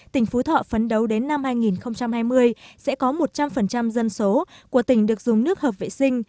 tỉnh phú thọ phấn đấu đến năm hai nghìn hai mươi sẽ có một trăm linh dân số của tỉnh được dùng nước hợp vệ sinh